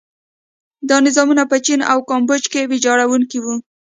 دا نظامونه په چین او کامبوج کې ویجاړوونکي وو.